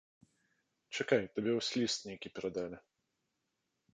Чакай, табе вось ліст нейкі перадалі.